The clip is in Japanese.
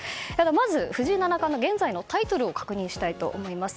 まず藤井七冠の現在のタイトルを確認したいと思います。